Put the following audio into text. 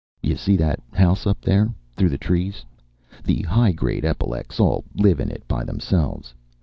You see that house up there through the trees. The high grade epilecs all live in it by themselves.